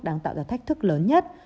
đang tạo ra thách thức lớn